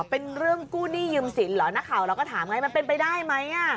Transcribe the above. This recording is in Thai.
เป็นเรื่องกู้หนี้ยืมสินเหรอนักข่าวเราก็ถามไงมันเป็นไปได้ไหม